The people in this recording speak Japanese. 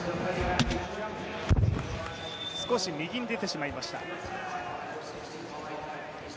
少し右に出てしまいました。